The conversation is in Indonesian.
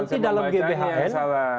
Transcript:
nanti dalam gbhn